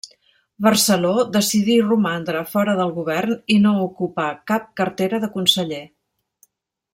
Barceló decidí romandre fora del govern i no ocupar cap cartera de conseller.